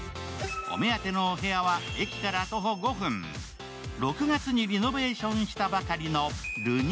お目当てのお部屋は駅から徒歩５分６月にリノベーションしたばかりのＬＮＵ。